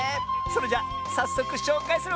それじゃさっそくしょうかいするわ！